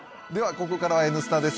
ここからは「Ｎスタ」です。